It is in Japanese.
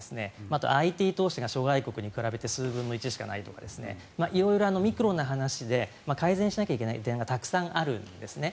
あとＩＴ投資が諸外国に比べて数分の１しかないとか色々、ミクロな話で改善しなきゃいけない点がたくさんあるんですね。